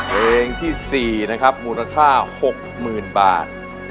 เพลงที่๔มูลค่า๖๐๐๐๐บาท